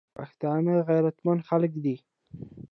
پښتانه غیرتمن خلک دي.